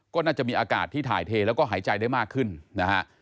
ก็น่าจะมีอากาศที่ถ่ายเทแล้วก็หายใจได้มากขึ้นนะฮะ